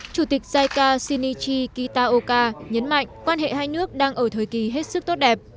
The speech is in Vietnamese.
chủ tịch jica sinichi kitaoka nhấn mạnh quan hệ hai nước đang ở thời kỳ hết sức tốt đẹp